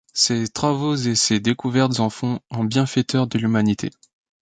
Ses travaux et ses découvertes en font un bienfaiteur de l'humanité.